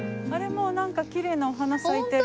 もうなんかきれいなお花咲いてる。